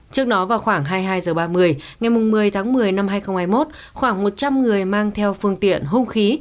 trước đó vào khoảng hai mươi hai h ba mươi ngày một mươi tháng một mươi năm hai nghìn hai mươi một khoảng một trăm linh người mang theo phương tiện hông khí